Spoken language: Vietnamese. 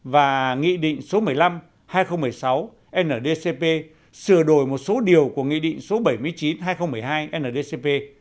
và nghị định số một mươi năm hai nghìn một mươi sáu ndcp sửa đổi một số điều của nghị định số bảy mươi chín hai nghìn một mươi hai ndcp